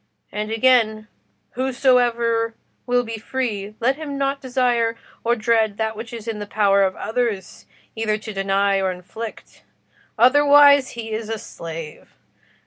And again, 'whosoever will be free, let him not desire or dread that which it is in the power of others either to deny or inflict: otherwise, he is a slave.